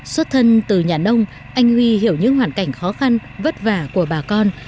xuất thân từ nhà nông anh huy hiểu những hoàn cảnh khó khăn vất vả của bà con